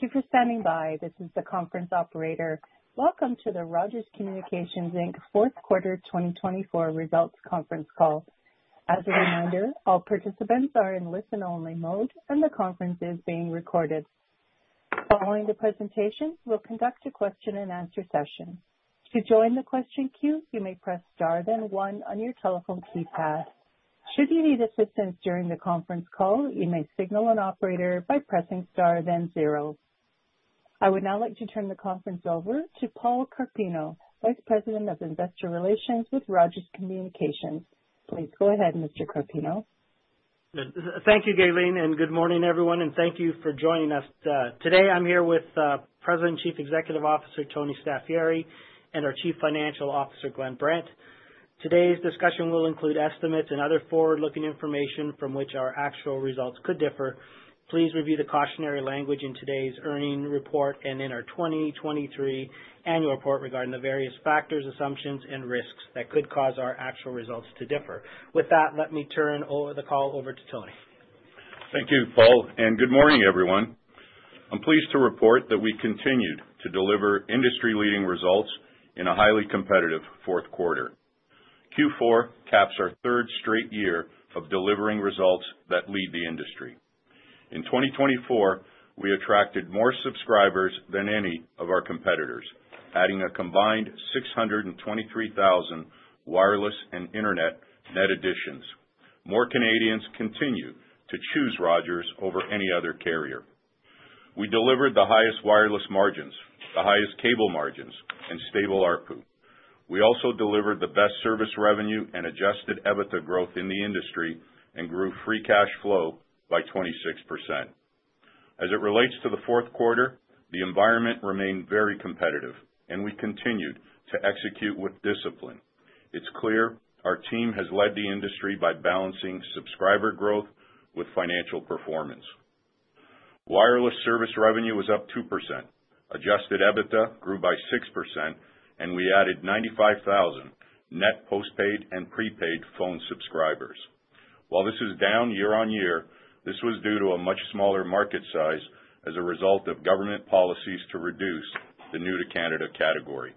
Thank you for standing by. This is the conference operator. Welcome to the Rogers Communications Inc. Q4 2024 Results Conference Call. As a reminder, all participants are in listen-only mode, and the conference is being recorded. Following the presentations, we'll conduct a question and answer session. To join the question queue, you may press star then one on your telephone keypad. Should you need assistance during the conference call, you may signal an operator by pressing star then zero. I would now like to turn the conference over to Paul Carpino, Vice President of Investor Relations with Rogers Communications. Please go ahead, Mr. Carpino. Thank you, Gaylene, and good morning, everyone, and thank you for joining us. Today, I'm here with President and Chief Executive Officer Tony Staffieri and our Chief Financial Officer, Glenn Brandt. Today's discussion will include estimates and other forward-looking information from which our actual results could differ. Please review the cautionary language in today's earnings report and in our 2023 annual report regarding the various factors, assumptions, and risks that could cause our actual results to differ. With that, let me turn the call over to Tony. Thank you, Paul, and good morning, everyone. I'm pleased to report that we continued to deliver industry-leading results in a highly competitive Q4. Q4 caps our third straight year of delivering results that lead the industry. In 2024, we attracted more subscribers than any of our competitors, adding a combined 623,000 wireless and internet net additions. More Canadians continue to choose Rogers over any other carrier. We delivered the highest wireless margins, the highest cable margins, and stable ARPU. We also delivered the best service revenue and Adjusted EBITDA growth in the industry and grew free cash flow by 26%. As it relates to the Q4, the environment remained very competitive, and we continued to execute with discipline. It's clear our team has led the industry by balancing subscriber growth with financial performance. Wireless service revenue was up 2%, adjusted EBITDA grew by 6%, and we added 95,000 net postpaid and prepaid phone subscribers. While this is down year on year, this was due to a much smaller market size as a result of government policies to reduce the new-to-Canada category.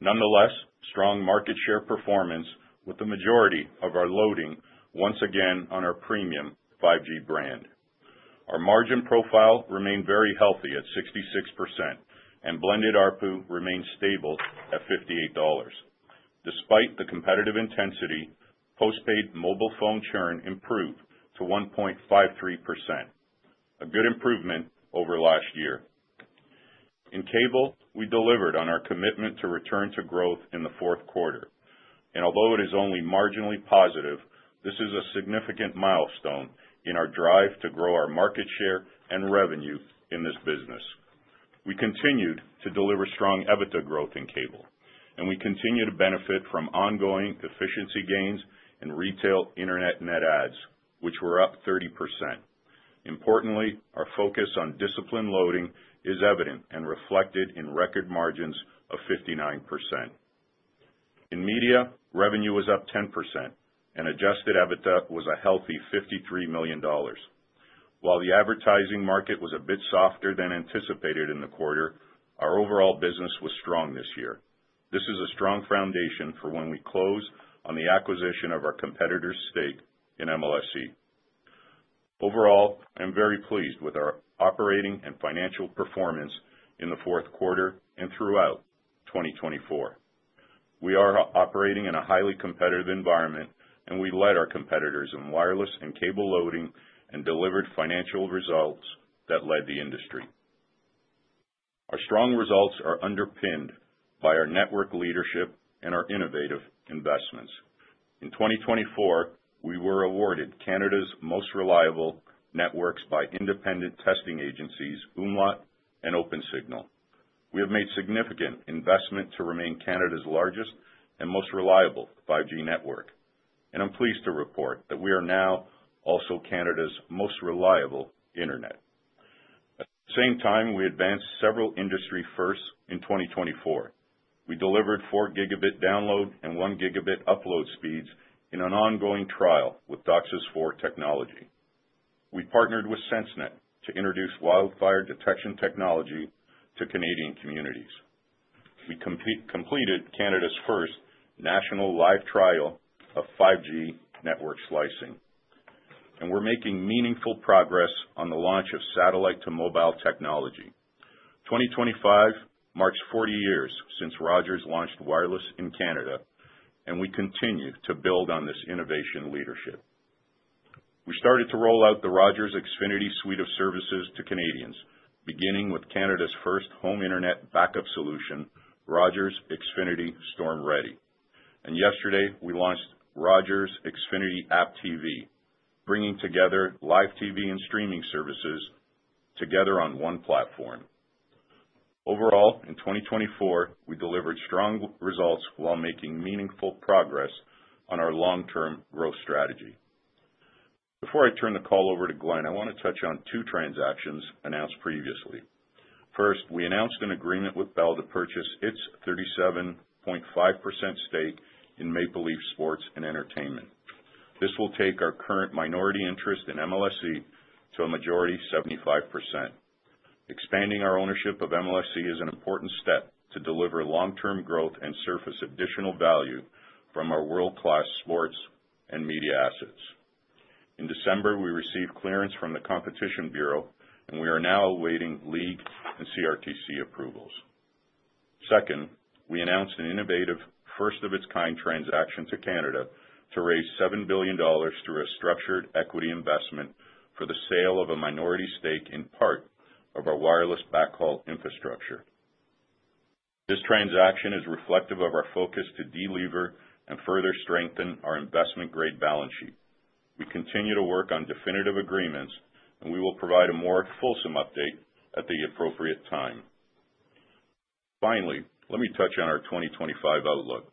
Nonetheless, strong market share performance with the majority of our loading once again on our premium 5G brand. Our margin profile remained very healthy at 66%, and blended ARPU remained stable at 58 dollars. Despite the competitive intensity, postpaid mobile phone churn improved to 1.53%, a good improvement over last year. In cable, we delivered on our commitment to return to growth in the Q4. And although it is only marginally positive, this is a significant milestone in our drive to grow our market share and revenue in this business. We continued to deliver strong EBITDA growth in cable, and we continue to benefit from ongoing efficiency gains in retail internet net adds, which were up 30%. Importantly, our focus on disciplined loading is evident and reflected in record margins of 59%. In media, revenue was up 10%, and adjusted EBITDA was a healthy 53 million dollars. While the advertising market was a bit softer than anticipated in the quarter, our overall business was strong this year. This is a strong foundation for when we close on the acquisition of our competitor's stake in MLSE. Overall, I'm very pleased with our operating and financial performance in the Q4 and throughout 2024. We are operating in a highly competitive environment, and we led our competitors in wireless and cable loading and delivered financial results that led the industry. Our strong results are underpinned by our network leadership and our innovative investments. In 2024, we were awarded Canada's most reliable networks by independent testing agencies, umlaut and Opensignal. We have made significant investment to remain Canada's largest and most reliable 5G network, and I'm pleased to report that we are now also Canada's most reliable internet. At the same time, we advanced several industry firsts in 2024. We delivered 4 gigabit download and 1 gigabit upload speeds in an ongoing trial with DOCSIS 4 technology. We partnered with SenseNet to introduce wildfire detection technology to Canadian communities. We completed Canada's first national live trial of 5G network slicing, and we're making meaningful progress on the launch of satellite-to-mobile technology. 2025 marks 40 years since Rogers launched wireless in Canada, and we continue to build on this innovation leadership. We started to roll out the Rogers Xfinity suite of services to Canadians, beginning with Canada's first home internet backup solution, Rogers Xfinity Storm-Ready. And yesterday, we launched Rogers Xfinity App TV, bringing together live TV and streaming services together on one platform. Overall, in 2024, we delivered strong results while making meaningful progress on our long-term growth strategy. Before I turn the call over to Glenn, I want to touch on two transactions announced previously. First, we announced an agreement with Bell to purchase its 37.5% stake in Maple Leaf Sports & Entertainment. This will take our current minority interest in MLSE to a majority of 75%. Expanding our ownership of MLSE is an important step to deliver long-term growth and surface additional value from our world-class sports and media assets. In December, we received clearance from the Competition Bureau, and we are now awaiting league and CRTC approvals. Second, we announced an innovative first-of-its-kind transaction in Canada to raise 7 billion dollars through a structured equity investment for the sale of a minority stake in part of our wireless backhaul infrastructure. This transaction is reflective of our focus to deliver and further strengthen our investment-grade balance sheet. We continue to work on definitive agreements, and we will provide a more fulsome update at the appropriate time. Finally, let me touch on our 2025 outlook.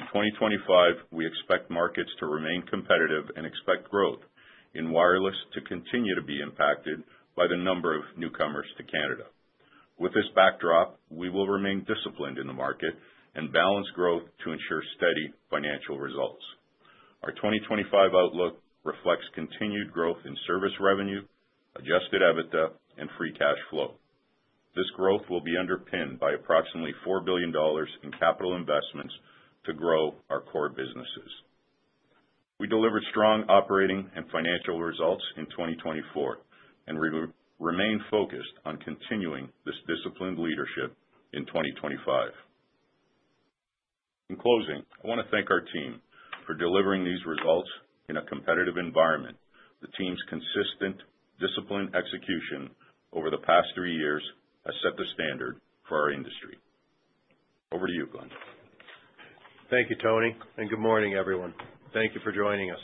In 2025, we expect markets to remain competitive and expect growth in wireless to continue to be impacted by the number of newcomers to Canada. With this backdrop, we will remain disciplined in the market and balance growth to ensure steady financial results. Our 2025 outlook reflects continued growth in service revenue, Adjusted EBITDA, and free cash flow. This growth will be underpinned by approximately 4 billion dollars in capital investments to grow our core businesses. We delivered strong operating and financial results in 2024, and we remain focused on continuing this disciplined leadership in 2025. In closing, I want to thank our team for delivering these results in a competitive environment. The team's consistent discipline execution over the past three years has set the standard for our industry. Over to you, Glenn. Thank you, Tony, and good morning, everyone. Thank you for joining us.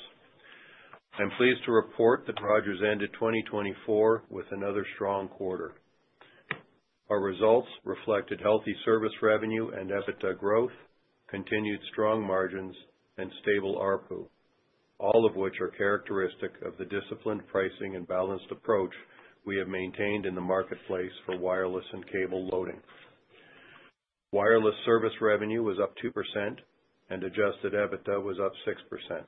I'm pleased to report that Rogers ended 2024 with another strong quarter. Our results reflected healthy service revenue and EBITDA growth, continued strong margins, and stable ARPU, all of which are characteristic of the disciplined pricing and balanced approach we have maintained in the marketplace for wireless and cable loading. Wireless service revenue was up 2%, and adjusted EBITDA was up 6%.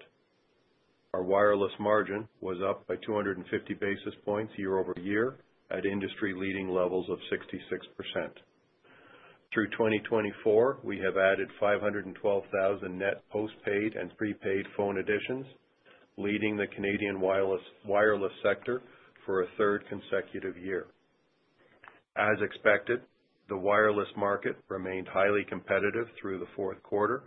Our wireless margin was up by 250 basis points year-over-year at industry-leading levels of 66%. Through 2024, we have added 512,000 net postpaid and prepaid phone additions, leading the Canadian wireless sector for a third consecutive year. As expected, the wireless market remained highly competitive through the Q4,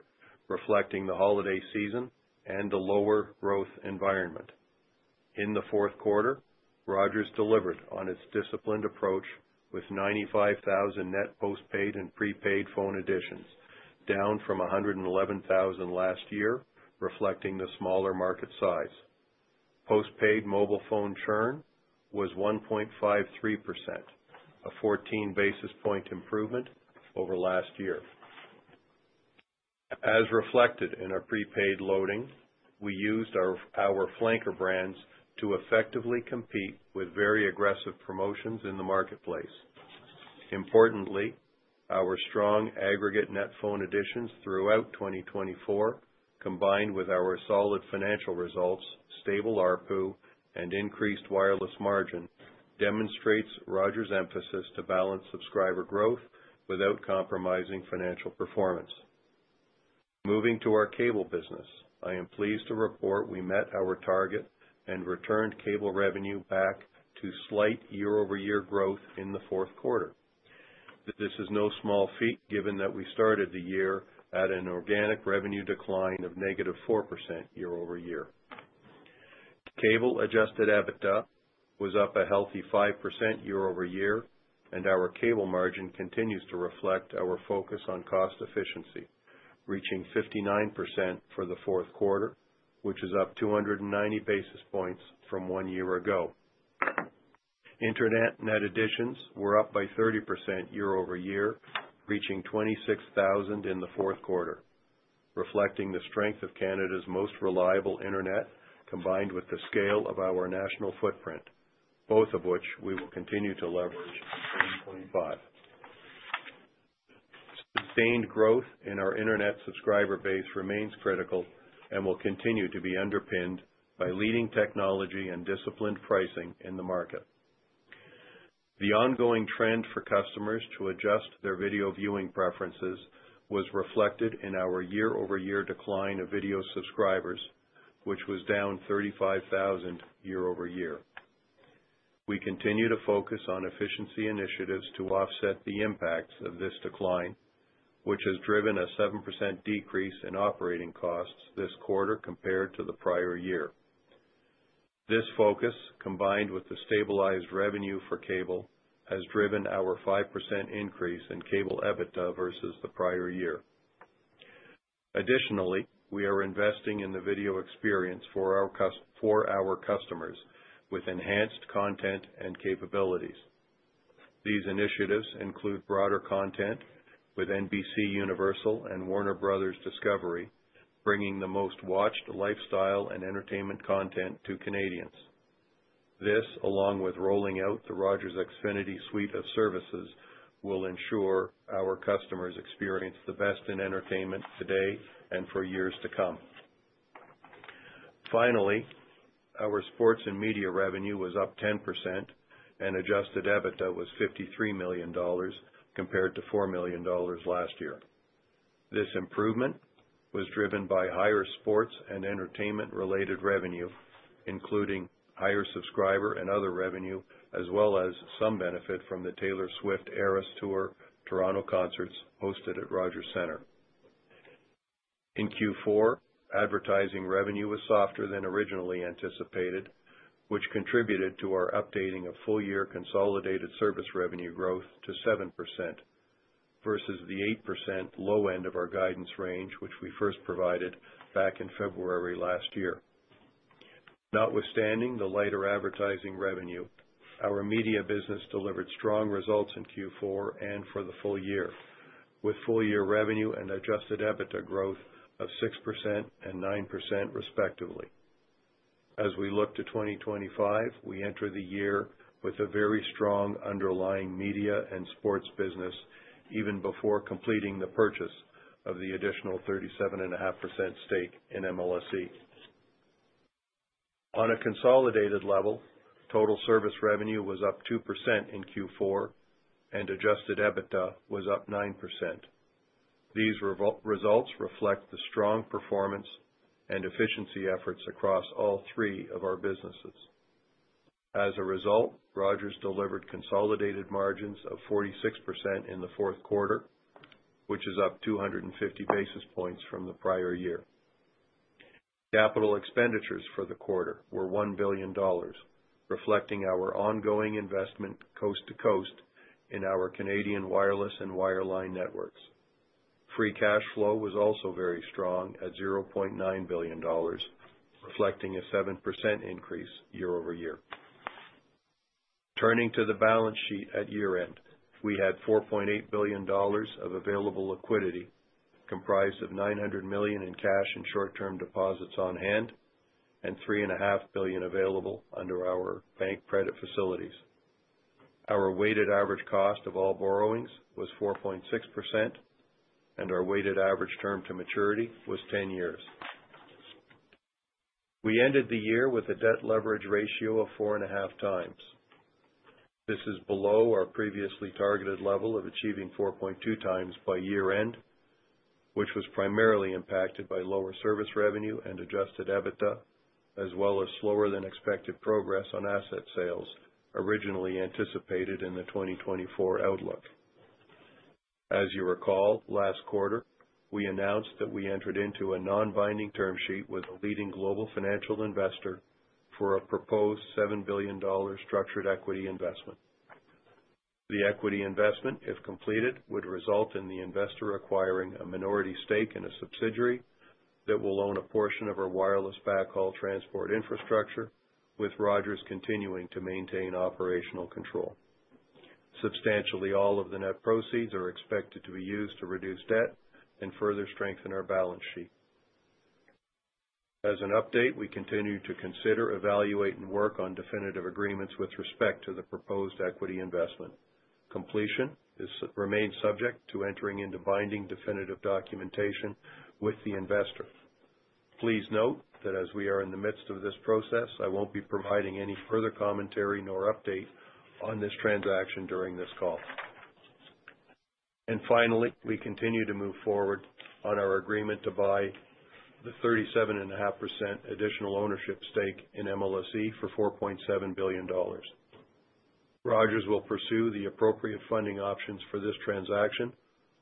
reflecting the holiday season and the lower growth environment. In the Q4, Rogers delivered on its disciplined approach with 95,000 net postpaid and prepaid phone additions, down from 111,000 last year, reflecting the smaller market size. Postpaid mobile phone churn was 1.53%, a 14 basis point improvement over last year. As reflected in our prepaid loading, we used our flanker brands to effectively compete with very aggressive promotions in the marketplace. Importantly, our strong aggregate net phone additions throughout 2024, combined with our solid financial results, stable ARPU, and increased wireless margin, demonstrates Rogers' emphasis to balance subscriber growth without compromising financial performance. Moving to our cable business, I am pleased to report we met our target and returned cable revenue back to slight year-over-year growth in the Q4. This is no small feat, given that we started the year at an organic revenue decline of negative 4% year-over-year. Cable Adjusted EBITDA was up a healthy 5% year-over-year, and our cable margin continues to reflect our focus on cost efficiency, reaching 59% for the Q4, which is up 290 basis points from one year ago. Internet net additions were up by 30% year-over-year, reaching 26,000 in the Q4, reflecting the strength of Canada's most reliable internet combined with the scale of our national footprint, both of which we will continue to leverage in 2025. Sustained growth in our internet subscriber base remains critical and will continue to be underpinned by leading technology and disciplined pricing in the market. The ongoing trend for customers to adjust their video viewing preferences was reflected in our year-over-year decline of video subscribers, which was down 35,000 year-over-year. We continue to focus on efficiency initiatives to offset the impacts of this decline, which has driven a 7% decrease in operating costs this quarter compared to the prior year. This focus, combined with the stabilized revenue for cable, has driven our 5% increase in cable EBITDA versus the prior year. Additionally, we are investing in the video experience for our customers with enhanced content and capabilities. These initiatives include broader content with NBCUniversal and Warner Bros. Discovery, bringing the most watched lifestyle and entertainment content to Canadians. This, along with rolling out the Rogers Xfinity suite of services, will ensure our customers experience the best in entertainment today and for years to come. Finally, our sports and media revenue was up 10%, and adjusted EBITDA was 53 million dollars compared to 4 million dollars last year. This improvement was driven by higher sports and entertainment-related revenue, including higher subscriber and other revenue, as well as some benefit from the Taylor Swift Eras Tour Toronto concerts hosted at Rogers Centre. In Q4, advertising revenue was softer than originally anticipated, which contributed to our updating of full-year consolidated service revenue growth to 7% versus the 8% low end of our guidance range, which we first provided back in February last year. Notwithstanding the lighter advertising revenue, our media business delivered strong results in Q4 and for the full year, with full-year revenue and Adjusted EBITDA growth of 6% and 9% respectively. As we look to 2025, we enter the year with a very strong underlying media and sports business, even before completing the purchase of the additional 37.5% stake in MLSE. On a consolidated level, total service revenue was up 2% in Q4, and adjusted EBITDA was up 9%. These results reflect the strong performance and efficiency efforts across all three of our businesses. As a result, Rogers delivered consolidated margins of 46% in the Q4, which is up 250 basis points from the prior year. Capital expenditures for the quarter were 1 billion dollars, reflecting our ongoing investment coast to coast in our Canadian wireless and wireline networks. Free cash flow was also very strong at 0.9 billion dollars, reflecting a 7% increase year-over-year. Turning to the balance sheet at year-end, we had 4.8 billion dollars of available liquidity, comprised of 900 million in cash and short-term deposits on hand, and 3.5 billion available under our bank credit facilities. Our weighted average cost of all borrowings was 4.6%, and our weighted average term to maturity was 10 years. We ended the year with a debt leverage ratio of 4.5 times. This is below our previously targeted level of achieving 4.2 times by year-end, which was primarily impacted by lower service revenue and Adjusted EBITDA, as well as slower-than-expected progress on asset sales originally anticipated in the 2024 outlook. As you recall, last quarter, we announced that we entered into a non-binding term sheet with a leading global financial investor for a proposed 7 billion dollars structured equity investment. The equity investment, if completed, would result in the investor acquiring a minority stake in a subsidiary that will own a portion of our wireless backhaul transport infrastructure, with Rogers continuing to maintain operational control. Substantially all of the net proceeds are expected to be used to reduce debt and further strengthen our balance sheet. As an update, we continue to consider, evaluate, and work on definitive agreements with respect to the proposed equity investment. Completion remains subject to entering into binding definitive documentation with the investor. Please note that as we are in the midst of this process, I won't be providing any further commentary nor update on this transaction during this call. Finally, we continue to move forward on our agreement to buy the 37.5% additional ownership stake in MLSE for 4.7 billion dollars. Rogers will pursue the appropriate funding options for this transaction,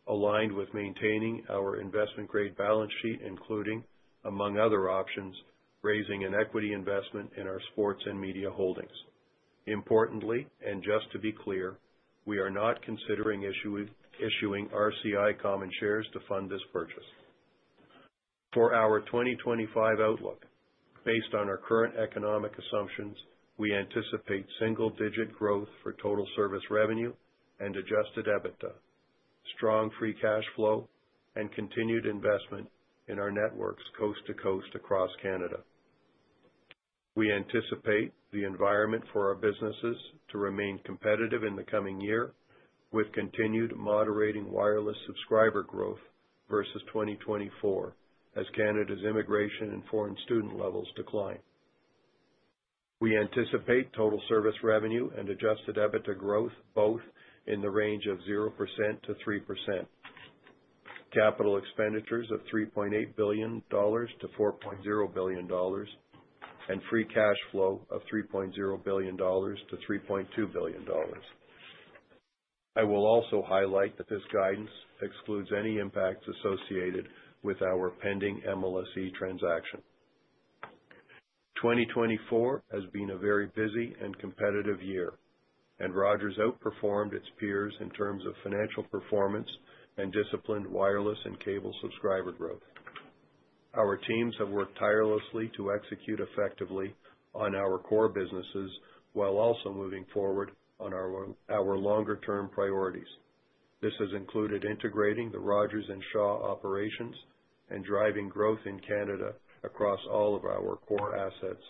aligned with maintaining our investment-grade balance sheet, including, among other options, raising an equity investment in our sports and media holdings. Importantly, and just to be clear, we are not considering issuing RCI Common Shares to fund this purchase. For our 2025 outlook, based on our current economic assumptions, we anticipate single-digit growth for total Service revenue and Adjusted EBITDA, strong Free cash flow, and continued investment in our networks coast to coast across Canada. We anticipate the environment for our businesses to remain competitive in the coming year, with continued moderating wireless subscriber growth versus 2024, as Canada's immigration and foreign student levels decline. We anticipate total Service revenue and Adjusted EBITDA growth both in the range of 0%-3%, capital expenditures of 3.8 billion-4.0 billion dollars, and Free cash flow of 3.0 billion-3.2 billion dollars. I will also highlight that this guidance excludes any impacts associated with our pending MLSE transaction. 2024 has been a very busy and competitive year, and Rogers outperformed its peers in terms of financial performance and disciplined wireless and cable subscriber growth. Our teams have worked tirelessly to execute effectively on our core businesses while also moving forward on our longer-term priorities. This has included integrating the Rogers and Shaw operations and driving growth in Canada across all of our core assets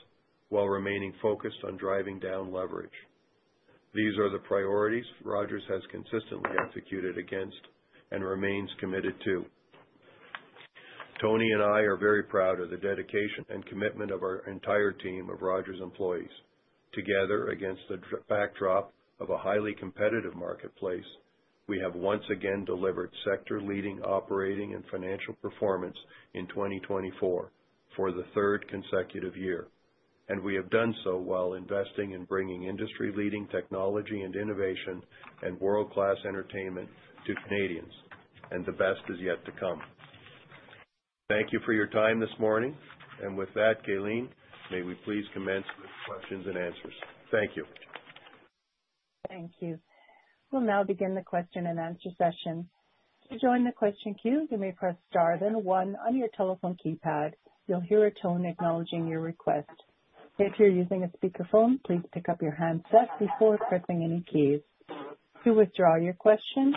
while remaining focused on driving down leverage. These are the priorities Rogers has consistently executed against and remains committed to. Tony and I are very proud of the dedication and commitment of our entire team of Rogers employees. Together, against the backdrop of a highly competitive marketplace, we have once again delivered sector-leading operating and financial performance in 2024 for the third consecutive year, and we have done so while investing in bringing industry-leading technology and innovation and world-class entertainment to Canadians, and the best is yet to come. Thank you for your time this morning, and with that, Gaylene, may we please commence with questions and answers? Thank you. Thank you. We'll now begin the question and answer session. To join the question queue, you may press star then one on your telephone keypad. You'll hear a tone acknowledging your request. If you're using a speakerphone, please pick up your handset before pressing any keys. To withdraw your question,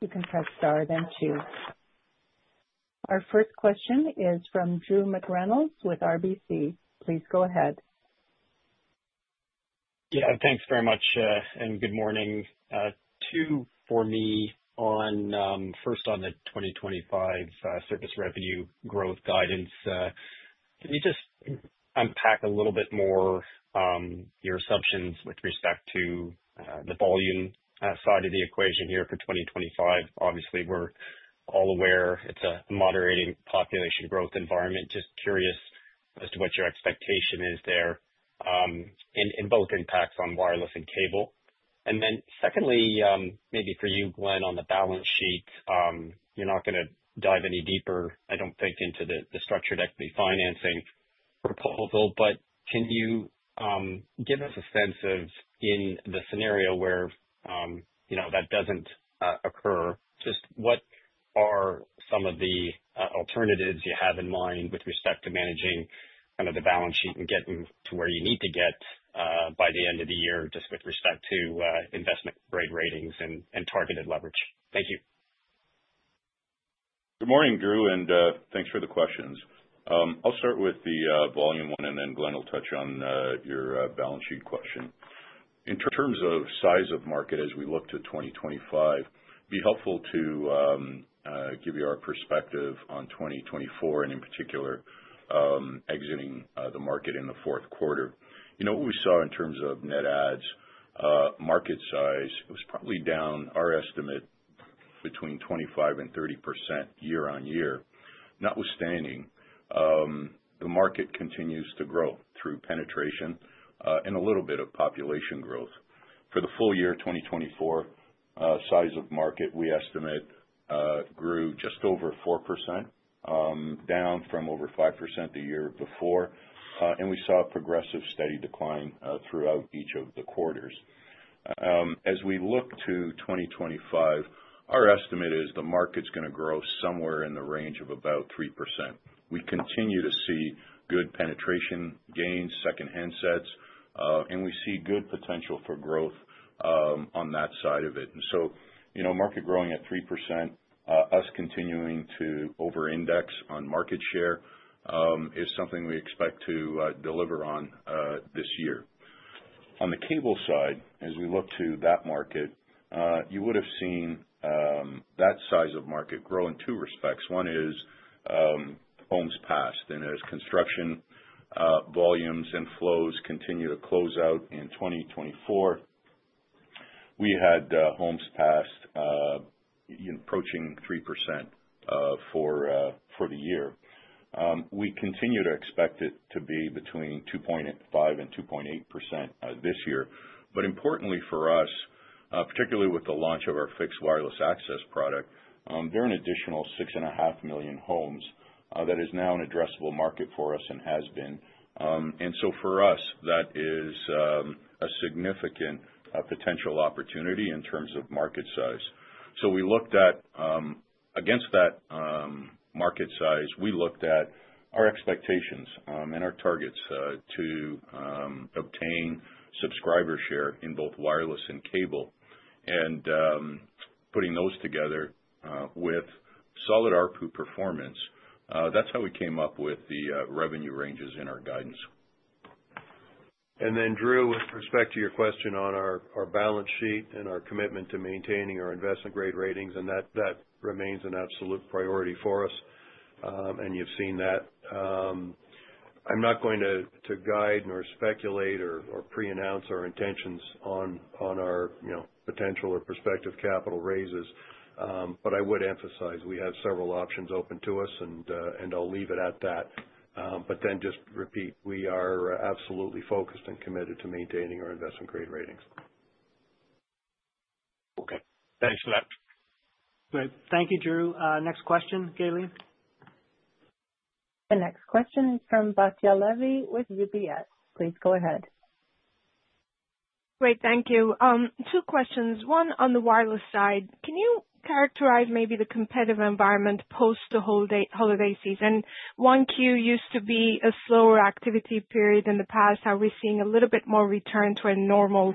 you can press star then two. Our first question is from Drew McReynolds with RBC. Please go ahead. Yeah, thanks very much, and good morning. Two, for me, first on the 2025 service revenue growth guidance. Can you just unpack a little bit more your assumptions with respect to the volume side of the equation here for 2025? Obviously, we're all aware it's a moderating population growth environment. Just curious as to what your expectation is there and both impacts on wireless and cable. And then secondly, maybe for you, Glenn, on the balance sheet, you're not going to dive any deeper, I don't think, into the structured equity financing proposal, but can you give us a sense of, in the scenario where that doesn't occur, just what are some of the alternatives you have in mind with respect to managing kind of the balance sheet and getting to where you need to get by the end of the year just with respect to investment-grade ratings and targeted leverage? Thank you. Good morning, Drew, and thanks for the questions. I'll start with the first one, and then Glenn will touch on your balance sheet question. In terms of size of market as we look to 2025, it'd be helpful to give you our perspective on 2024 and, in particular, exiting the market in the Q4. You know what we saw in terms of net adds? Market size, it was probably down. Our estimate: between 25%-30% year-on-year. Notwithstanding, the market continues to grow through penetration and a little bit of population growth. For the full year 2024, size of market, we estimate, grew just over 4%, down from over 5% the year before, and we saw a progressive steady decline throughout each of the quarters. As we look to 2025, our estimate is the market's going to grow somewhere in the range of about 3%. We continue to see good penetration gains, second-hand sets, and we see good potential for growth on that side of it. And so market growing at 3%, us continuing to over-index on market share is something we expect to deliver on this year. On the cable side, as we look to that market, you would have seen that size of market grow in two respects. One is homes passed, and as construction volumes and flows continue to close out in 2024, we had homes passed approaching 3% for the year. We continue to expect it to be between 2.5% and 2.8% this year. But importantly for us, particularly with the launch of our fixed wireless access product, there are an additional 6.5 million homes that is now an addressable market for us and has been. And so for us, that is a significant potential opportunity in terms of market size. So we looked at, against that market size, we looked at our expectations and our targets to obtain subscriber share in both wireless and cable, and putting those together with solid ARPU performance, that's how we came up with the revenue ranges in our guidance. And then, Drew, with respect to your question on our balance sheet and our commitment to maintaining our investment-grade ratings, and that remains an absolute priority for us, and you've seen that. I'm not going to guide nor speculate or pre-announce our intentions on our potential or prospective capital raises, but I would emphasize we have several options open to us, and I'll leave it at that. But then just repeat, we are absolutely focused and committed to maintaining our investment-grade ratings. Okay. Thanks for that. Great. Thank you, Drew. Next question, Gaylene? The next question is from Batya Levy with UBS. Please go ahead. Great. Thank you. Two questions. One on the wireless side. Can you characterize maybe the competitive environment post the holiday season? Q1 used to be a slower activity period in the past. Are we seeing a little bit more return to a normal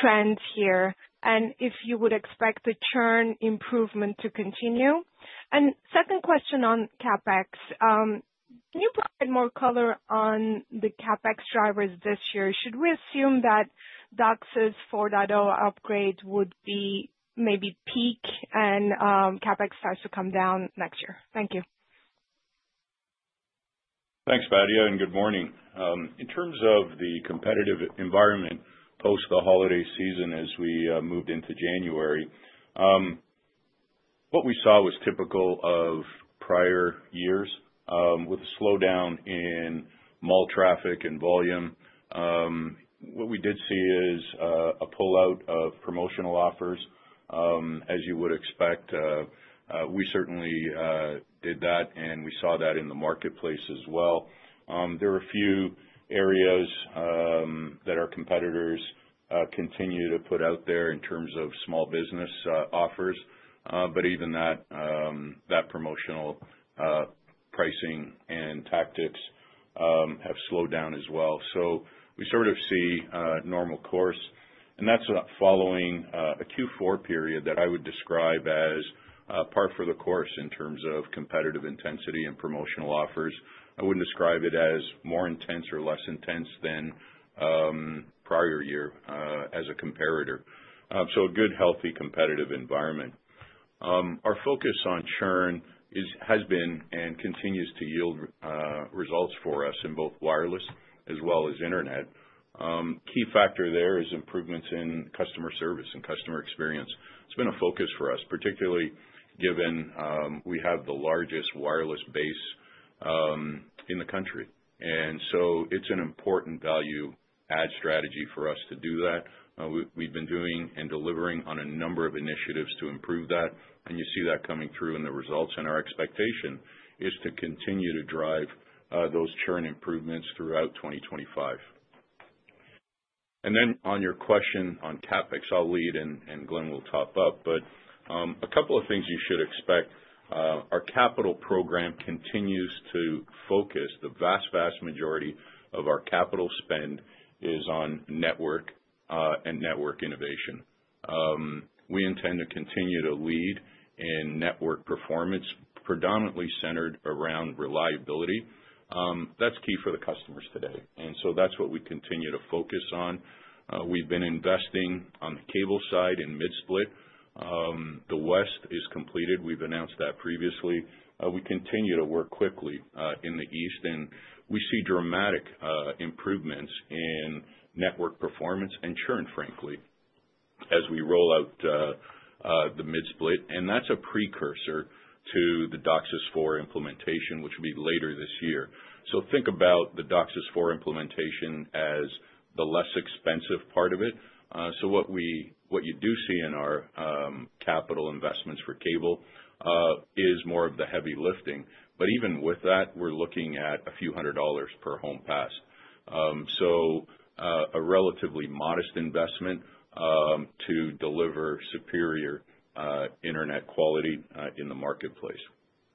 trend here? And if you would expect the churn improvement to continue? And second question on CapEx. Can you provide more color on the CapEx drivers this year? Should we assume that DOCSIS 4.0 upgrade would be maybe peak and CapEx starts to come down next year? Thank you. Thanks, Batya, and good morning. In terms of the competitive environment post the holiday season as we moved into January, what we saw was typical of prior years with a slowdown in mall traffic and volume. What we did see is a pull-out of promotional offers, as you would expect. We certainly did that, and we saw that in the marketplace as well. There are a few areas that our competitors continue to put out there in terms of small business offers, but even that promotional pricing and tactics have slowed down as well. So we sort of see normal course, and that's following a Q4 period that I would describe as par for the course in terms of competitive intensity and promotional offers. I wouldn't describe it as more intense or less intense than prior year as a comparator. So a good, healthy competitive environment. Our focus on churn has been and continues to yield results for us in both wireless as well as internet. Key factor there is improvements in customer service and customer experience. It's been a focus for us, particularly given we have the largest wireless base in the country. And so it's an important value-add strategy for us to do that. We've been doing and delivering on a number of initiatives to improve that, and you see that coming through in the results. And our expectation is to continue to drive those churn improvements throughout 2025. And then on your question on CapEx, I'll lead and Glenn will top up, but a couple of things you should expect. Our capital program continues to focus. The vast, vast majority of our capital spend is on network and network innovation. We intend to continue to lead in network performance, predominantly centered around reliability. That's key for the customers today, and so that's what we continue to focus on. We've been investing on the cable side in mid-split. The West is completed. We've announced that previously. We continue to work quickly in the East, and we see dramatic improvements in network performance and churn, frankly, as we roll out the mid-split. And that's a precursor to the DOCSIS 4 implementation, which will be later this year. So think about the DOCSIS 4 implementation as the less expensive part of it. So what you do see in our capital investments for cable is more of the heavy lifting. But even with that, we're looking at a few hundred dollars per homes passed. So a relatively modest investment to deliver superior internet quality in the marketplace.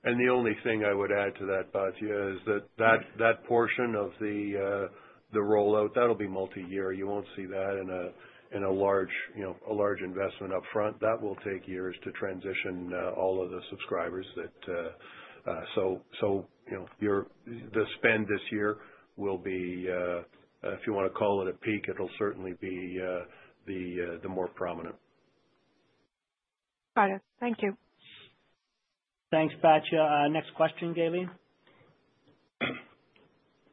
And the only thing I would add to that, Batya, is that that portion of the rollout, that'll be multi-year. You won't see that in a large investment upfront. That will take years to transition all of the subscribers. So the spend this year will be, if you want to call it a peak, it'll certainly be the more prominent. Got it. Thank you. Thanks, Batya. Next question, Gaylene?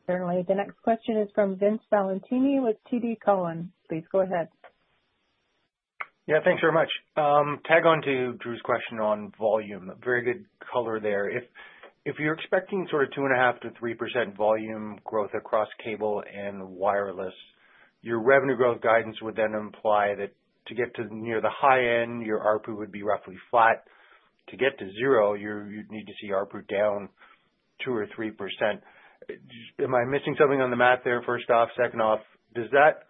Certainly. The next question is from Vince Valentini with TD Cowen. Please go ahead. Yeah, thanks very much. Tack on to Drew's question on volume. Very good color there. If you're expecting sort of 2.5%-3% volume growth across cable and wireless, your revenue growth guidance would then imply that to get to near the high end, your ARPU would be roughly flat. To get to zero, you'd need to see ARPU down 2%-3%. Am I missing something on the math there? First off, second off, does that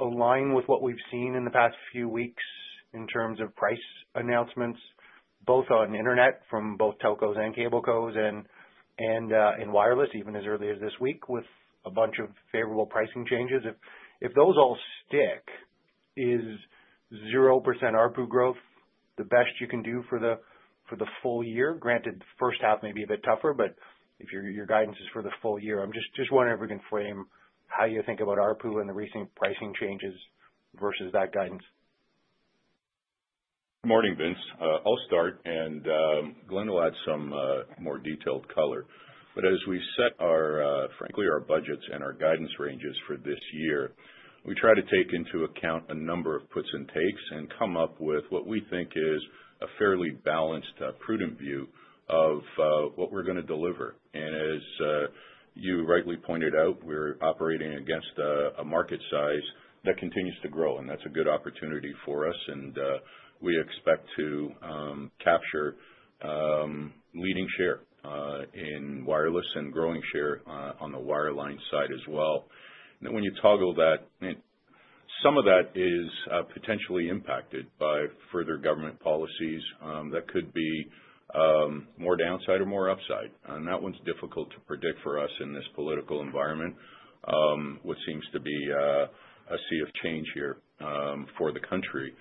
align with what we've seen in the past few weeks in terms of price announcements, both on internet from both telcos and cablecos and wireless, even as early as this week with a bunch of favorable pricing changes? If those all stick, is 0% ARPU growth the best you can do for the full year? Granted, the H1 may be a bit tougher, but if your guidance is for the full year, I'm just wondering if we can frame how you think about ARPU and the recent pricing changes versus that guidance? Good morning, Vince. I'll start, and Glenn will add some more detailed color. But as we set our, frankly, our budgets and our guidance ranges for this year, we try to take into account a number of puts and takes and come up with what we think is a fairly balanced, prudent view of what we're going to deliver. And as you rightly pointed out, we're operating against a market size that continues to grow, and that's a good opportunity for us. And we expect to capture leading share in wireless and growing share on the wireline side as well. And then when you toggle that, some of that is potentially impacted by further government policies that could be more downside or more upside. And that one's difficult to predict for us in this political environment, which seems to be a sea of change here for the country.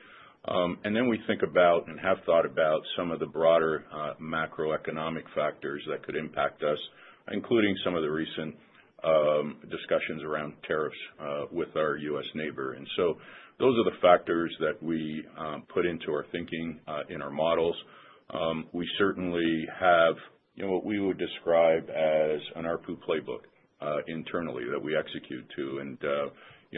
And then we think about and have thought about some of the broader macroeconomic factors that could impact us, including some of the recent discussions around tariffs with our U.S. neighbor. And so those are the factors that we put into our thinking in our models. We certainly have what we would describe as an ARPU playbook internally that we execute to. And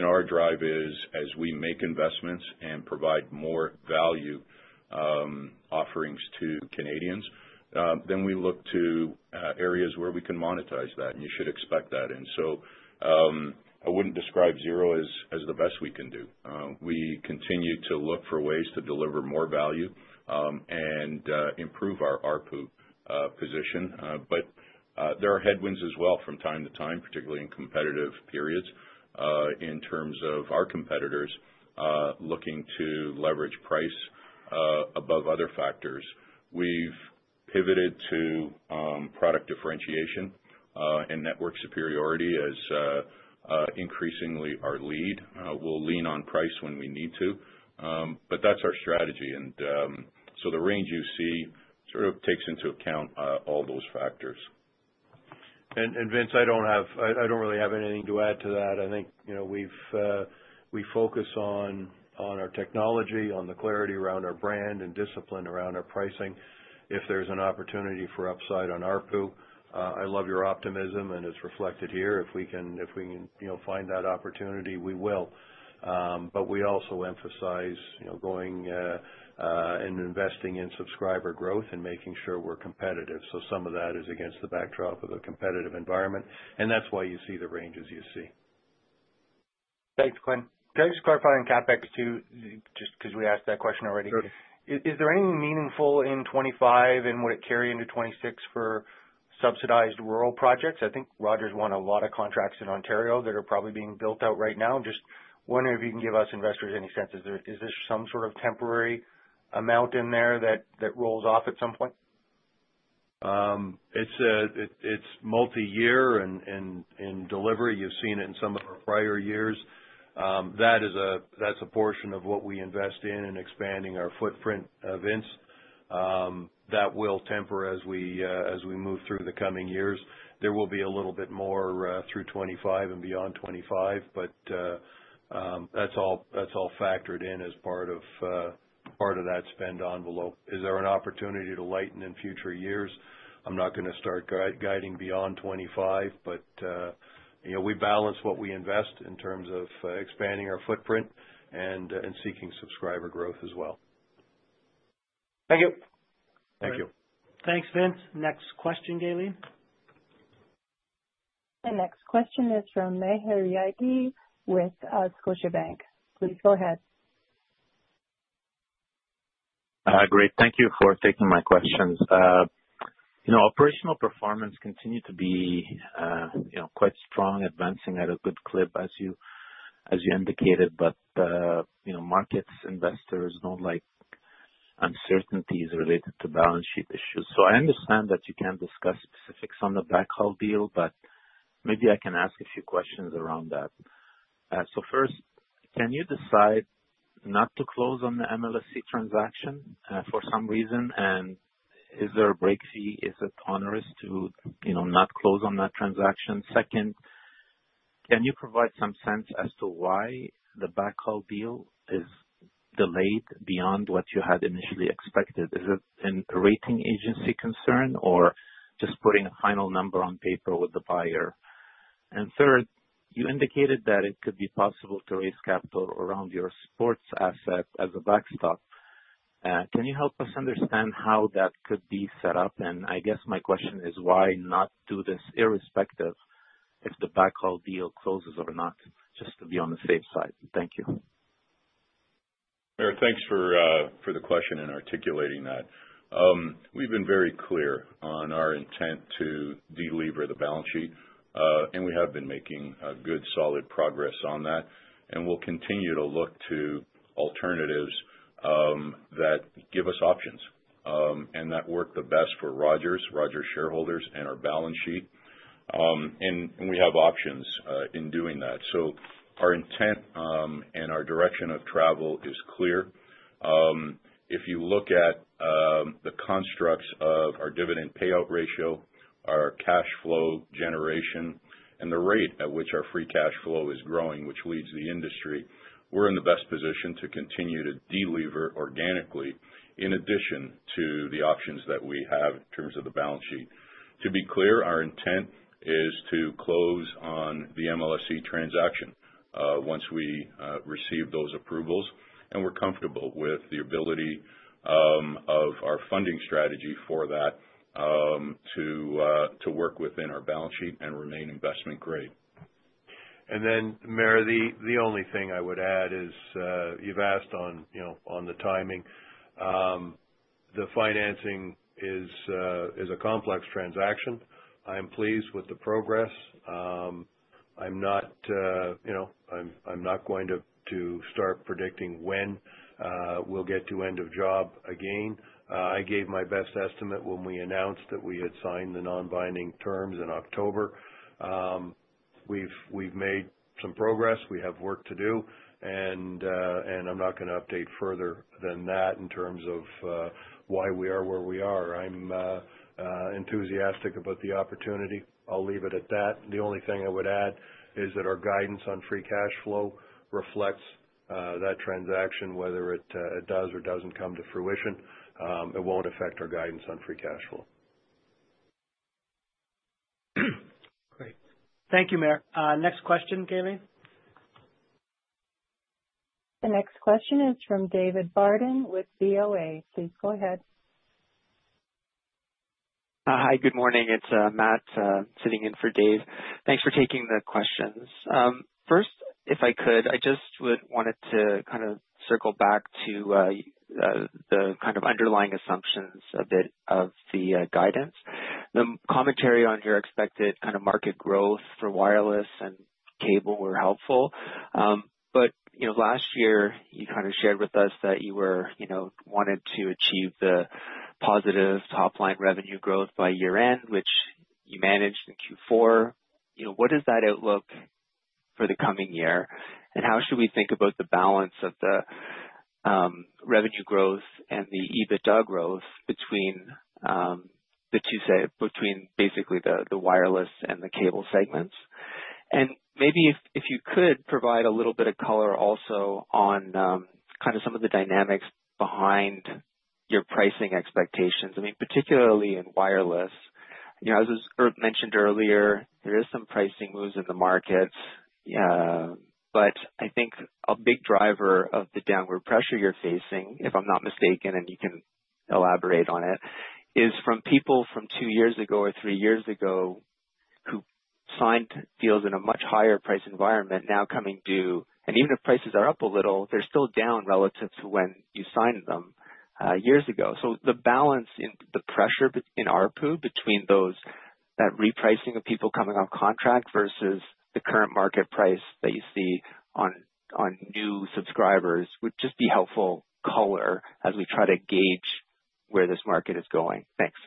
our drive is, as we make investments and provide more value offerings to Canadians, then we look to areas where we can monetize that, and you should expect that. And so I wouldn't describe zero as the best we can do. We continue to look for ways to deliver more value and improve our ARPU position. But there are headwinds as well from time to time, particularly in competitive periods, in terms of our competitors looking to leverage price above other factors. We've pivoted to product differentiation and network superiority as increasingly our lead. We'll lean on price when we need to, but that's our strategy, and so the range you see sort of takes into account all those factors. And Vince, I don't really have anything to add to that. I think we focus on our technology, on the clarity around our brand and discipline around our pricing. If there's an opportunity for upside on ARPU, I love your optimism, and it's reflected here. If we can find that opportunity, we will, but we also emphasize going and investing in subscriber growth and making sure we're competitive, so some of that is against the backdrop of a competitive environment, and that's why you see the ranges you see. Thanks, Glenn. Can I just clarify on CapEx too, just because we asked that question already? Sure. Is there anything meaningful in 2025, and would it carry into 2026 for subsidized rural projects? I think Rogers won a lot of contracts in Ontario that are probably being built out right now. Just wondering if you can give us investors any sense. Is there some sort of temporary amount in there that rolls off at some point? It's multi-year in delivery. You've seen it in some of our prior years. That's a portion of what we invest in and expanding our footprint, Vince. That will temper as we move through the coming years. There will be a little bit more through 2025 and beyond 2025, but that's all factored in as part of that spend envelope. Is there an opportunity to lighten in future years? I'm not going to start guiding beyond '25, but we balance what we invest in terms of expanding our footprint and seeking subscriber growth as well. Thank you. Thank you. Thanks, Vince. Next question, Gaylene. The next question is from Maher Yaghi with Scotiabank. Please go ahead. Great. Thank you for taking my questions. Operational performance continued to be quite strong, advancing at a good clip, as you indicated, but markets, investors don't like uncertainties related to balance sheet issues. So I understand that you can't discuss specifics on the backhaul deal, but maybe I can ask a few questions around that. So first, can you decide not to close on the MLSE transaction for some reason? And is there a break fee? Is it onerous to not close on that transaction? Second, can you provide some sense as to why the backhaul deal is delayed beyond what you had initially expected? Is it a rating agency concern or just putting a final number on paper with the buyer? And third, you indicated that it could be possible to raise capital around your sports asset as a backstop. Can you help us understand how that could be set up? And I guess my question is, why not do this irrespective if the backhaul deal closes or not, just to be on the safe side? Thank you. Thanks for the question and articulating that. We've been very clear on our intent to deliver the balance sheet, and we have been making good solid progress on that, and we'll continue to look to alternatives that give us options and that work the best for Rogers, Rogers shareholders, and our balance sheet. We have options in doing that. So our intent and our direction of travel is clear. If you look at the constructs of our dividend payout ratio, our cash flow generation, and the rate at which our free cash flow is growing, which leads the industry, we're in the best position to continue to deliver organically in addition to the options that we have in terms of the balance sheet. To be clear, our intent is to close on the MLSE transaction once we receive those approvals, and we're comfortable with the ability of our funding strategy for that to work within our balance sheet and remain investment-grade. And then, Maher, the only thing I would add is you've asked on the timing. The financing is a complex transaction. I'm pleased with the progress. I'm not going to start predicting when we'll get to endgame again. I gave my best estimate when we announced that we had signed the non-binding terms in October. We've made some progress. We have work to do, and I'm not going to update further than that in terms of why we are where we are. I'm enthusiastic about the opportunity. I'll leave it at that. The only thing I would add is that our guidance on free cash flow reflects that transaction, whether it does or doesn't come to fruition. It won't affect our guidance on free cash flow. Great. Thank you, Maher. Next question, Gaylene. The next question is from David Barden with BofA. Please go ahead. Hi, good morning. It's Matt sitting in for Dave. Thanks for taking the questions. First, if I could, I just would want to kind of circle back to the kind of underlying assumptions of the guidance. The commentary on your expected kind of market growth for wireless and cable were helpful. But last year, you kind of shared with us that you wanted to achieve the positive top-line revenue growth by year-end, which you managed in Q4. What is that outlook for the coming year? And how should we think about the balance of the revenue growth and the EBITDA growth between basically the wireless and the cable segments? And maybe if you could provide a little bit of color also on kind of some of the dynamics behind your pricing expectations. I mean, particularly in wireless, as was mentioned earlier, there are some pricing moves in the markets. But I think a big driver of the downward pressure you're facing, if I'm not mistaken, and you can elaborate on it, is from people from two years ago or three years ago who signed deals in a much higher price environment now coming due. And even if prices are up a little, they're still down relative to when you signed them years ago. So the balance in the pressure in ARPU between that repricing of people coming off contract versus the current market price that you see on new subscribers would just be helpful color as we try to gauge where this market is going. Thanks.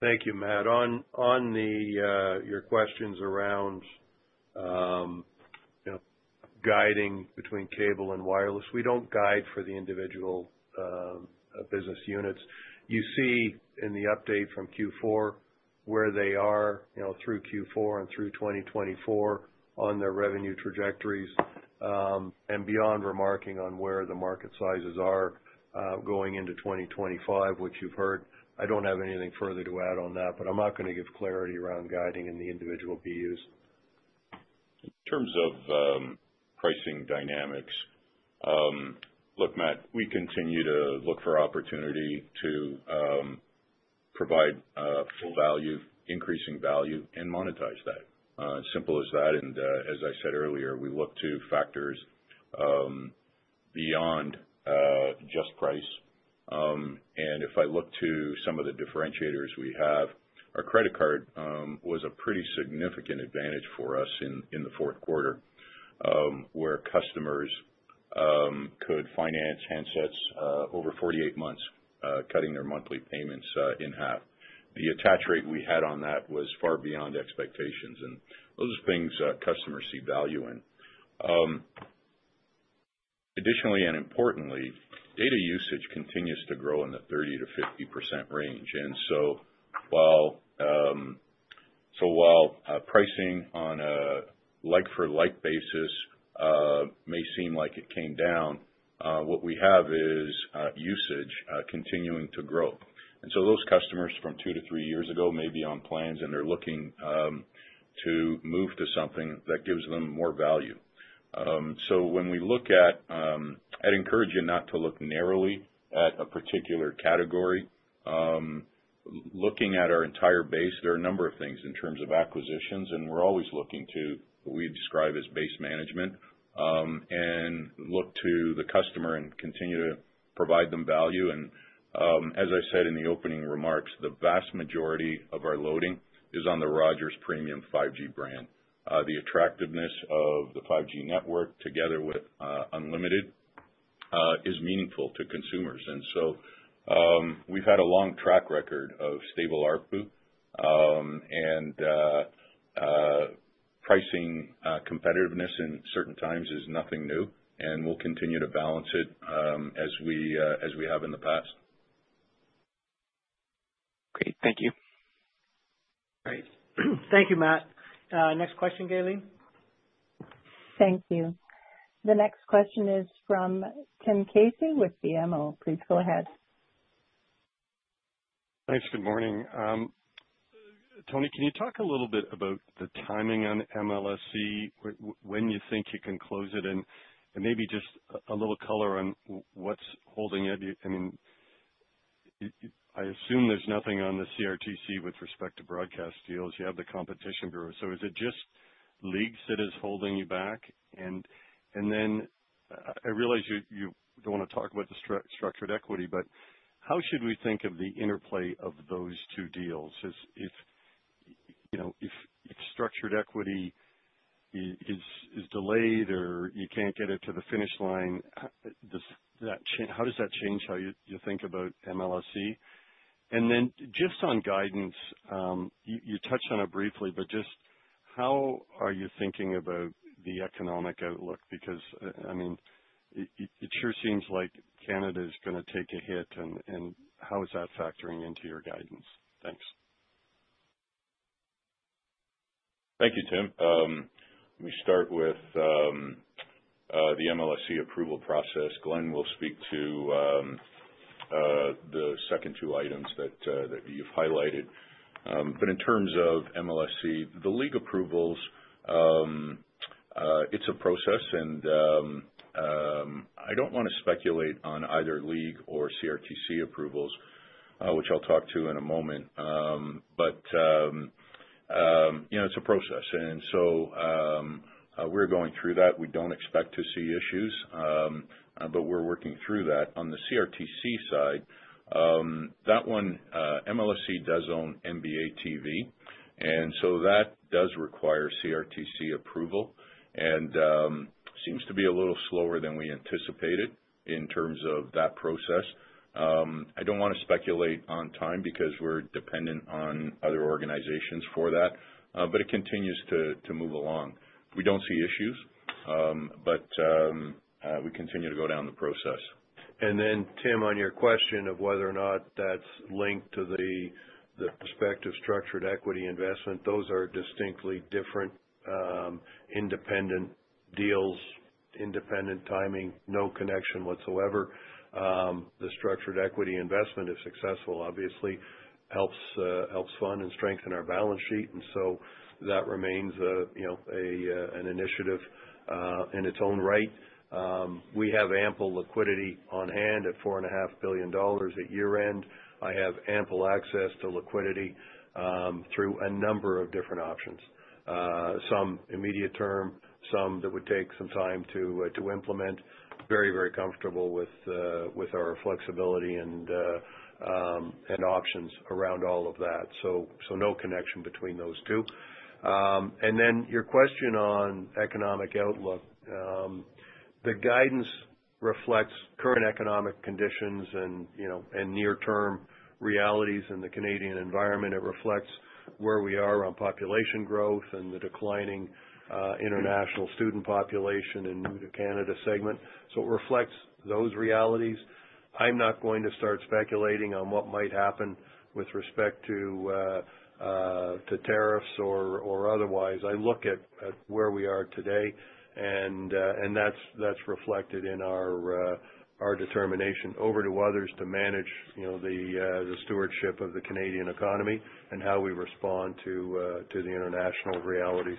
Thank you, Matt. On your questions around guiding between cable and wireless, we don't guide for the individual business units. You see in the update from Q4 where they are through Q4 and through 2024 on their revenue trajectories and beyond, remarking on where the market sizes are going into 2025, which you've heard. I don't have anything further to add on that, but I'm not going to give clarity around guiding in the individual BUs. In terms of pricing dynamics, look, Matt, we continue to look for opportunity to provide full value, increasing value, and monetize that. Simple as that. And as I said earlier, we look to factors beyond just price. And if I look to some of the differentiators we have, our credit card was a pretty significant advantage for us in the Q4 where customers could finance handsets over 48 months, cutting their monthly payments in half. The attach rate we had on that was far beyond expectations, and those are things customers see value in. Additionally, and importantly, data usage continues to grow in the 30%-50% range. And so while pricing on a like-for-like basis may seem like it came down, what we have is usage continuing to grow. And so those customers from two to three years ago may be on plans, and they're looking to move to something that gives them more value. So when we look at, I'd encourage you not to look narrowly at a particular category. Looking at our entire base, there are a number of things in terms of acquisitions, and we're always looking to what we describe as base management and look to the customer and continue to provide them value. And as I said in the opening remarks, the vast majority of our loading is on the Rogers Premium 5G brand. The attractiveness of the 5G network together with unlimited is meaningful to consumers. And so we've had a long track record of stable ARPU, and pricing competitiveness in certain times is nothing new, and we'll continue to balance it as we have in the past. Great. Thank you. Great. Thank you, Matt. Next question, Gaylene. Thank you. The next question is from Tim Casey with BMO. Please go ahead. Thanks. Good morning. Tony, can you talk a little bit about the timing on MLSE, when you think you can close it, and maybe just a little color on what's holding you? I mean, I assume there's nothing on the CRTC with respect to broadcast deals. You have the competition bureau. So is it just leaks that are holding you back? And then I realize you don't want to talk about the structured equity, but how should we think of the interplay of those two deals? If structured equity is delayed or you can't get it to the finish line, how does that change how you think about MLSE? And then just on guidance, you touched on it briefly, but just how are you thinking about the economic outlook? Because I mean, it sure seems like Canada is going to take a hit, and how is that factoring into your guidance? Thanks. Thank you, Tim. Let me start with the MLSE approval process. Glenn will speak to the second two items that you've highlighted. But in terms of MLSE, the league approvals, it's a process, and I don't want to speculate on either league or CRTC approvals, which I'll talk to in a moment. But it's a process. And so we're going through that. We don't expect to see issues, but we're working through that. On the CRTC side, that one, MLSE does own NBA TV, and so that does require CRTC approval and seems to be a little slower than we anticipated in terms of that process. I don't want to speculate on time because we're dependent on other organizations for that, but it continues to move along. We don't see issues, but we continue to go down the process. And then, Tim, on your question of whether or not that's linked to the prospective structured equity investment, those are distinctly different independent deals, independent timing, no connection whatsoever. The structured equity investment is successful, obviously, helps fund and strengthen our balance sheet, and so that remains an initiative in its own right. We have ample liquidity on hand at 4.5 billion dollars at year-end. I have ample access to liquidity through a number of different options, some immediate term, some that would take some time to implement. Very, very comfortable with our flexibility and options around all of that, so no connection between those two, and then your question on economic outlook, the guidance reflects current economic conditions and near-term realities in the Canadian environment. It reflects where we are on population growth and the declining international student population and new-to-Canada segment, so it reflects those realities. I'm not going to start speculating on what might happen with respect to tariffs or otherwise. I look at where we are today, and that's reflected in our determination over to others to manage the stewardship of the Canadian economy and how we respond to the international realities.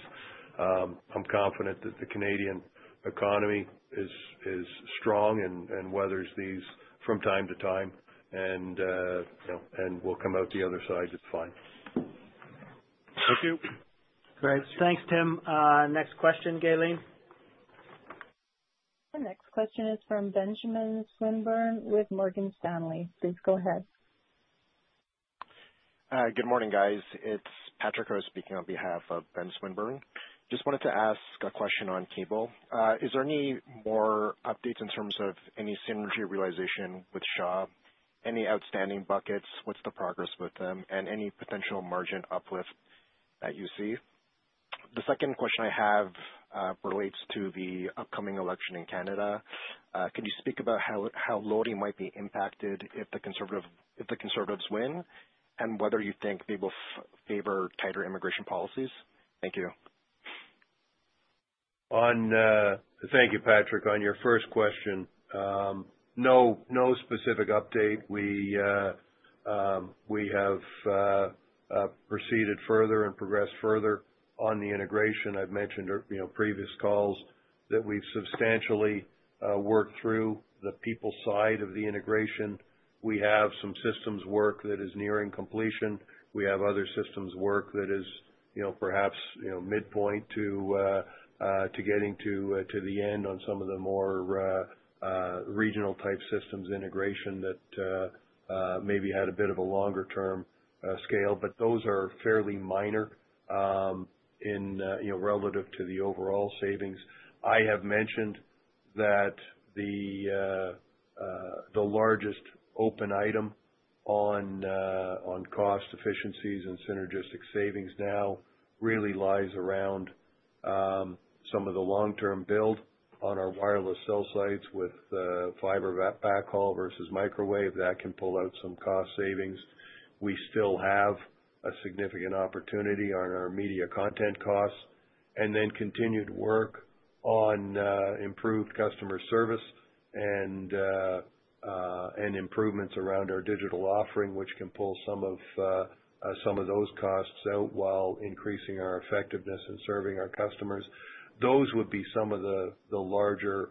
I'm confident that the Canadian economy is strong and weathers these from time to time, and we'll come out the other side just fine. Thank you. Great. Thanks, Tim. Next question, Gaylene. The next question is from Benjamin Swinburne with Morgan Stanley. Please go ahead. Hi. Good morning, guys. It's Patrick O'Connell speaking on behalf of Ben Swinburne. Just wanted to ask a question on cable. Is there any more updates in terms of any synergy realization with Shaw? Any outstanding buckets? What's the progress with them? And any potential margin uplift that you see? The second question I have relates to the upcoming election in Canada. Could you speak about how loading might be impacted if the conservatives win and whether you think they will favor tighter immigration policies? Thank you. Thank you, Patrick, on your first question. No specific update. We have proceeded further and progressed further on the integration. I've mentioned previous calls that we've substantially worked through the people side of the integration. We have some systems work that is nearing completion. We have other systems work that is perhaps midpoint to getting to the end on some of the more regional-type systems integration that maybe had a bit of a longer-term scale. But those are fairly minor relative to the overall savings. I have mentioned that the largest open item on cost efficiencies and synergistic savings now really lies around some of the long-term build on our wireless cell sites with fiber backhaul versus microwave that can pull out some cost savings. We still have a significant opportunity on our media content costs and then continued work on improved customer service and improvements around our digital offering, which can pull some of those costs out while increasing our effectiveness in serving our customers. Those would be some of the larger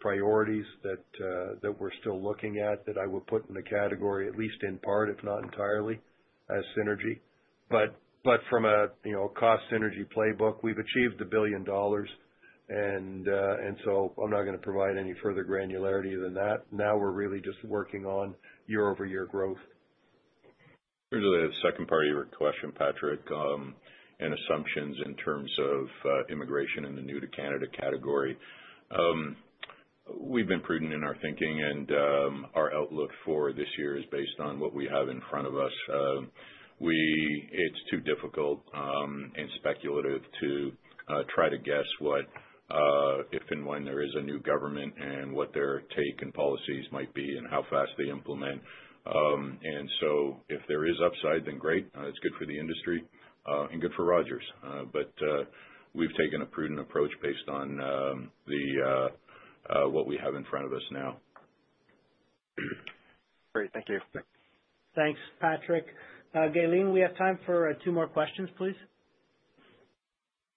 priorities that we're still looking at that I would put in the category, at least in part, if not entirely, as synergy. But from a cost synergy playbook, we've achieved 1 billion dollars, and so I'm not going to provide any further granularity than that. Now we're really just working on year-over-year growth. There's a second part of your question, Patrick, and assumptions in terms of immigration in the new-to-Canada category. We've been prudent in our thinking, and our outlook for this year is based on what we have in front of us. It's too difficult and speculative to try to guess what, if and when there is a new government and what their take and policies might be and how fast they implement, and so if there is upside, then great. It's good for the industry and good for Rogers, but we've taken a prudent approach based on what we have in front of us now. Great. Thank you. Thanks, Patrick. Gaylene, we have time for two more questions, please.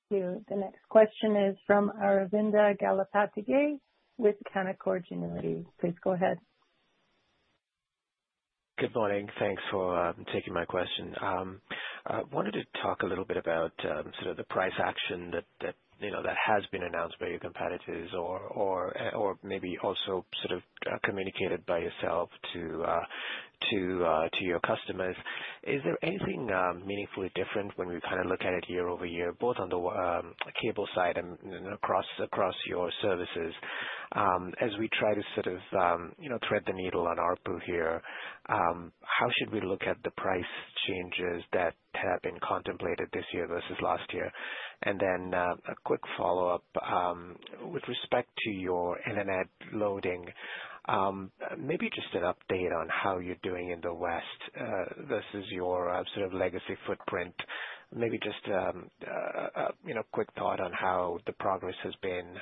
Thank you. The next question is from Aravinda Galappatthige with Canaccord Genuity. Please go ahead. Good morning. Thanks for taking my question. I wanted to talk a little bit about sort of the price action that has been announced by your competitors or maybe also sort of communicated by yourself to your customers. Is there anything meaningfully different when we kind of look at it year-over-year, both on the cable side and across your services? As we try to sort of thread the needle on ARPU here, how should we look at the price changes that have been contemplated this year versus last year? And then a quick follow-up with respect to your internet loading, maybe just an update on how you're doing in the West versus your sort of legacy footprint. Maybe just a quick thought on how the progress has been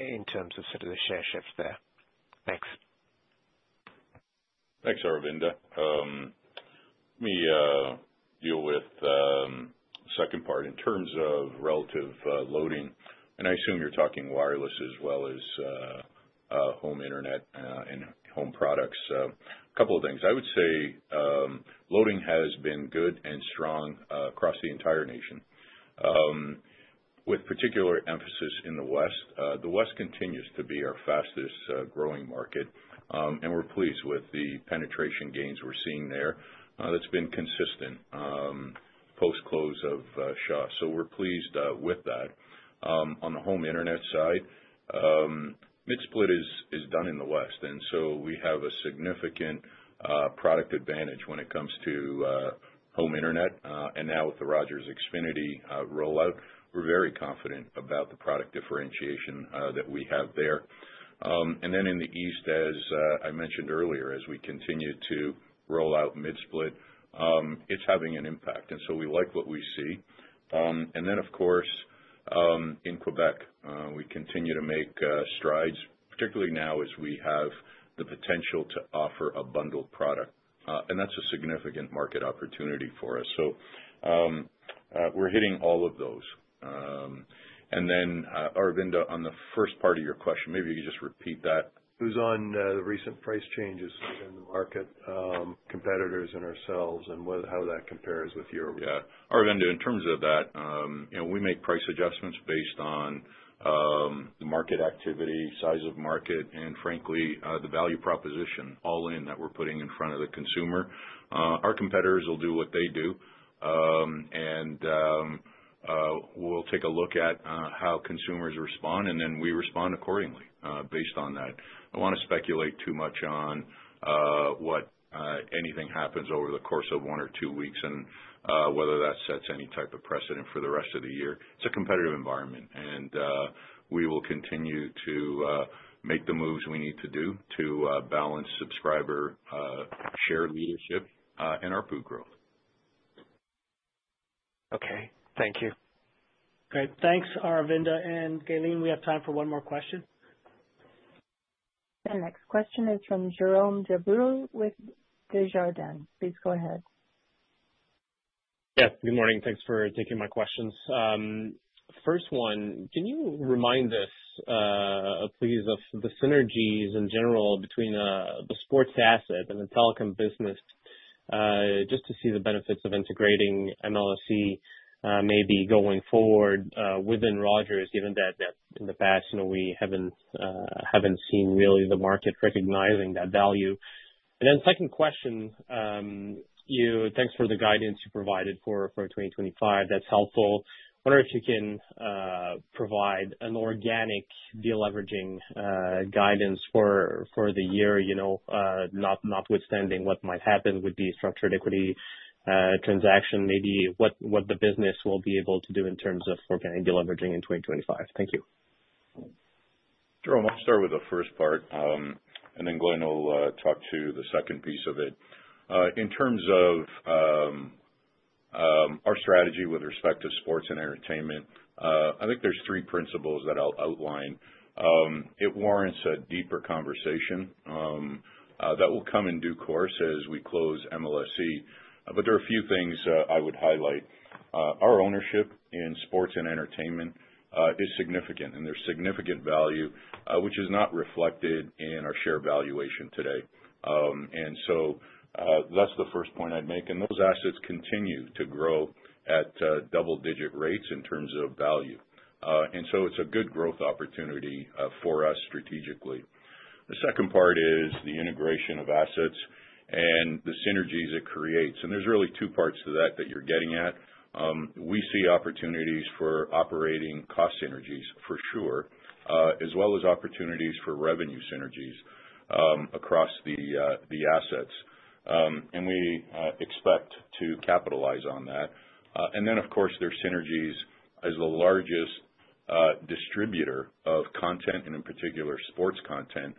in terms of sort of the share shifts there. Thanks. Thanks, Aravinda. Let me deal with the second part in terms of relative loading. And I assume you're talking wireless as well as home internet and home products. A couple of things. I would say loading has been good and strong across the entire nation, with particular emphasis in the West. The West continues to be our fastest growing market, and we're pleased with the penetration gains we're seeing there. That's been consistent post-close of Shaw. So we're pleased with that. On the home internet side, Mid-split is done in the West, and so we have a significant product advantage when it comes to home internet. And now with the Rogers Xfinity rollout, we're very confident about the product differentiation that we have there. And then in the East, as I mentioned earlier, as we continue to roll out Mid-split, it's having an impact. And so we like what we see. And then, of course, in Quebec, we continue to make strides, particularly now as we have the potential to offer a bundled product. And that's a significant market opportunity for us. So we're hitting all of those. And then, Aravinda, on the first part of your question, maybe you could just repeat that. Who's on the recent price changes in the market, competitors and ourselves, and how that compares with your. Yeah. Aravinda, in terms of that, we make price adjustments based on the market activity, size of market, and frankly, the value proposition all in that we're putting in front of the consumer. Our competitors will do what they do, and we'll take a look at how consumers respond, and then we respond accordingly based on that. I don't want to speculate too much on what anything happens over the course of one or two weeks and whether that sets any type of precedent for the rest of the year. It's a competitive environment, and we will continue to make the moves we need to do to balance subscriber share leadership and ARPU growth. Okay. Thank you. Great. Thanks, Aravinda. And Gaylene, we have time for one more question. The next question is from Jérome Dubreuil with Desjardins. Please go ahead. Yeah. Good morning. Thanks for taking my questions. First one, can you remind us, please, of the synergies in general between the sports asset and the telecom business just to see the benefits of integrating MLSE maybe going forward within Rogers, given that in the past, we haven't seen really the market recognizing that value? And then second question, thanks for the guidance you provided for 2025. That's helpful. I wonder if you can provide an organic de-leveraging guidance for the year, notwithstanding what might happen with the structured equity transaction, maybe what the business will be able to do in terms of organic de-leveraging in 2025? Thank you. Jérome, I'll start with the first part, and then Glenn will talk to the second piece of it. In terms of our strategy with respect to sports and entertainment, I think there's three principles that I'll outline. It warrants a deeper conversation that will come in due course as we close MLSE. But there are a few things I would highlight. Our ownership in sports and entertainment is significant, and there's significant value, which is not reflected in our share valuation today. And so that's the first point I'd make. And those assets continue to grow at double-digit rates in terms of value. And so it's a good growth opportunity for us strategically. The second part is the integration of assets and the synergies it creates. And there's really two parts to that that you're getting at. We see opportunities for operating cost synergies, for sure, as well as opportunities for revenue synergies across the assets. And we expect to capitalize on that. And then, of course, there's synergies as the largest distributor of content and, in particular, sports content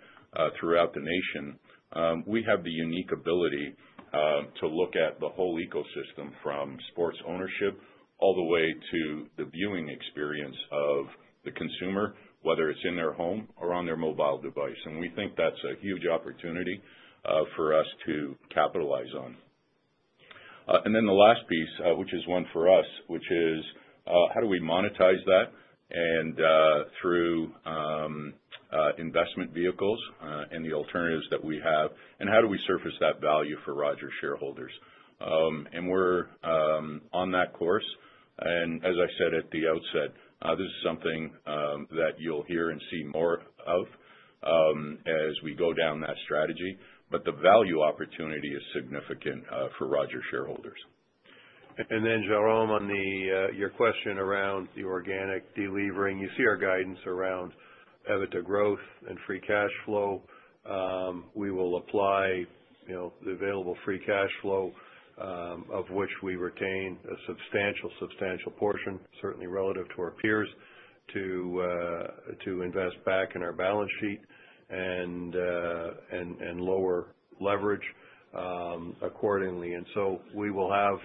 throughout the nation. We have the unique ability to look at the whole ecosystem from sports ownership all the way to the viewing experience of the consumer, whether it's in their home or on their mobile device. And we think that's a huge opportunity for us to capitalize on. And then the last piece, which is one for us, which is how do we monetize that through investment vehicles and the alternatives that we have, and how do we surface that value for Rogers shareholders? And we're on that course. And as I said at the outset, this is something that you'll hear and see more of as we go down that strategy. But the value opportunity is significant for Rogers shareholders. And then, Jérome, on your question around the organic delivering, you see our guidance around EBITDA growth and free cash flow. We will apply the available free cash flow, of which we retain a substantial, substantial portion, certainly relative to our peers, to invest back in our balance sheet and lower leverage accordingly. And so we will have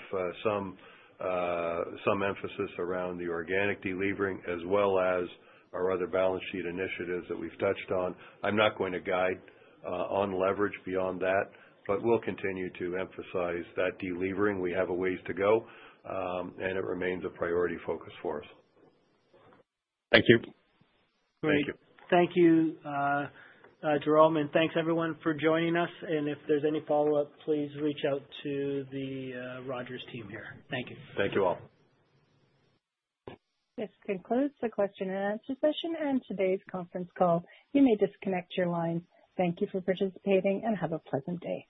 some emphasis around the organic delivering as well as our other balance sheet initiatives that we've touched on. I'm not going to guide on leverage beyond that, but we'll continue to emphasize that delivering. We have a ways to go, and it remains a priority focus for us. Thank you. Thank you. Thank you, Jérome. And thanks, everyone, for joining us. And if there's any follow-up, please reach out to the Rogers team here. Thank you. Thank you all. This concludes the question and answer session and today's conference call. You may disconnect your line. Thank you for participating and have a pleasant day.